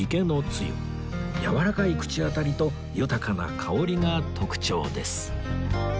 やわらかい口当たりと豊かな香りが特徴です